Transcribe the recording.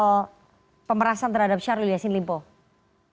soal pemerasan terhadap syahrul yassin limpo